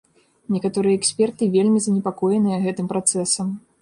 Некаторыя эксперты вельмі занепакоеныя гэтым працэсам.